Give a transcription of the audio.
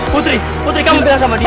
putri putri kamu bilang sama dia